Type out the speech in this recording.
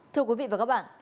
thưa quý vị và các bạn